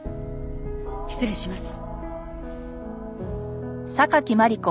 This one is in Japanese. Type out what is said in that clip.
失礼します。